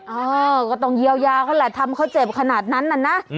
เออก็ต้องเยียวยาเขาแหละทำเขาเจ็บขนาดนั้นน่ะนะ